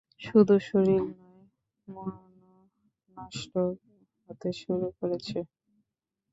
শুধু শরীর নয়-মূনও নুষ্ট হতে শুরু করেছে।